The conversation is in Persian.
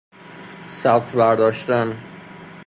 ثبت بر داشتن